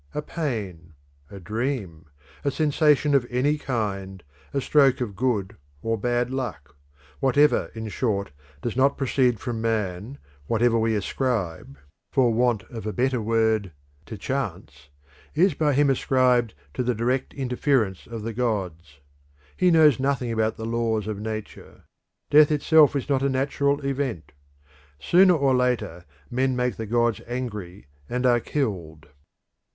A pain, a dream, a sensation of any kind, a stroke of good or bad luck whatever, in short, does not proceed from man, whatever we ascribe, for want of a better word, to chance is by him ascribed to the direct interference of the gods. He knows nothing about the laws of nature. Death itself is not a natural event. Sooner or later men make the gods angry and are killed.